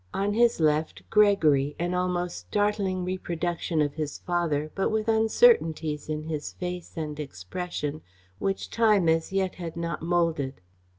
On his left, Gregory, an almost startling reproduction of his father, but with uncertainties in his face and expression which time as yet had not moulded.